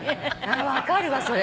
分かるわそれ。